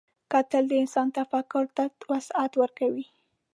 کتل د انسان تفکر ته وسعت ورکوي